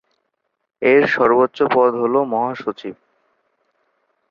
এর সর্বোচ্চ পদ হল মহাসচিব।